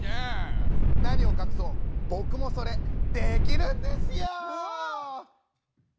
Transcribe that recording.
何を隠そう僕もそれできるんですよ！